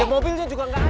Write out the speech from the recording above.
mobilnya juga gak ada